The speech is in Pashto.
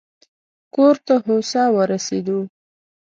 کور ته هوسا ورسېدو.